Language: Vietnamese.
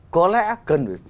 có lẽ cần